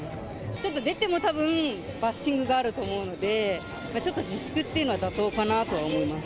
ちょっと、出てもたぶんバッシングがあると思うので、ちょっと自粛っていうのは妥当かなとは思います。